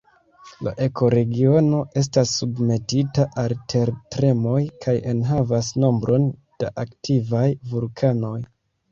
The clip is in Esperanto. La ekoregiono estas submetita al tertremoj kaj enhavas nombron da aktivaj vulkanoj.